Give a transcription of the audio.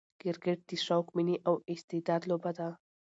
کرکټ د شوق، میني او استعداد لوبه ده.